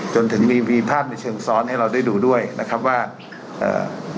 จนถึงมีมีภาพในเชิงซ้อนให้เราได้ดูด้วยนะครับว่าเอ่อ